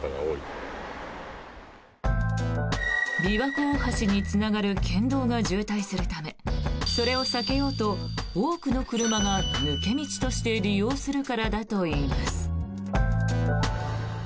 琵琶湖大橋につながる県道が渋滞するためそれを避けようと多くの車が抜け道として利用するからだといいます。